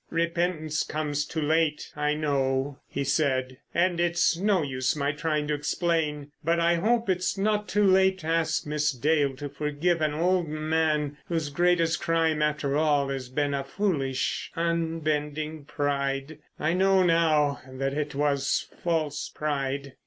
"Repentance comes too late, I know," he said, "and it's no use my trying to explain; but I hope it's not too late to ask Miss Dale to forgive an old man whose greatest crime after all has been a foolish, unbending pride. I know now that it was false pride."